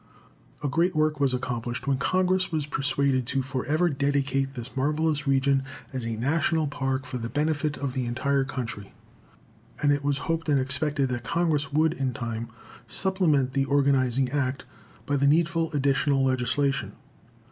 A great work was accomplished when Congress was persuaded to forever dedicate this marvelous region as a National Park, for the benefit of the entire country; and it was hoped and expected that Congress would, in time, supplement the organizing Act by the needful additional legislation.